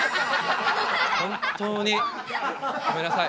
本当にごめんなさい。